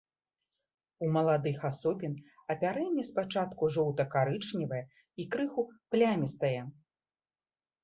У маладых асобін апярэнне спачатку жоўта-карычневае і крыху плямістае.